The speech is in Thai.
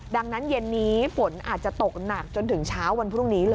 ดังนั้นเย็นนี้ฝนอาจจะตกหนักจนถึงเช้าวันพรุ่งนี้เลย